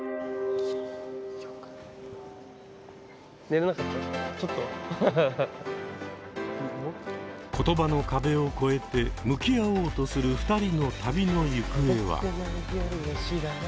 例えば言葉の壁を超えて向き合おうとする２人の旅の行方は？